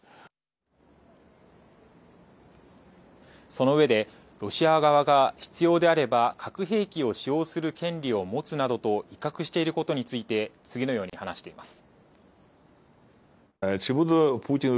その上で、ロシア側が必要であれば、核兵器を使用する権利を持つなどと威嚇していることについて次のように話しています。